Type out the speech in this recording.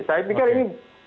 saya pikir ini sempat